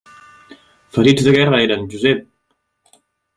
Ferits de guerra, eren, Josep!